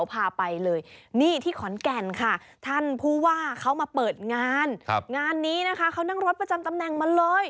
พาไปเลยนี่ที่ขอนแก่นค่ะท่านผู้ว่าเขามาเปิดงานงานนี้นะคะเขานั่งรถประจำตำแหน่งมาเลย